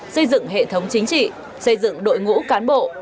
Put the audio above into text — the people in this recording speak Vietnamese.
xây dựng hệ thống chính trị xây dựng đội ngũ cán bộ